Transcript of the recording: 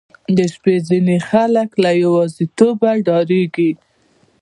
• د شپې ځینې خلک له یوازیتوبه ډاریږي.